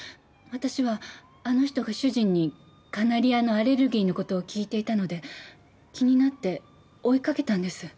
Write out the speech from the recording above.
私はあの人が主人にカナリアのアレルギーの事を聞いていたので気になって追いかけたんです。